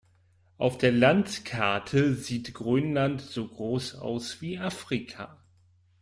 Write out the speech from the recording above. Auf der Landkarte sieht Grönland so groß aus wie Afrika.